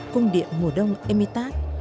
cung điện mùa đông emitat